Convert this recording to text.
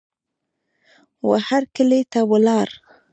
وهرکلې ته ولاړ